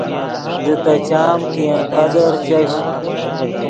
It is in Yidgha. دے تے چام کہ ین قدر چش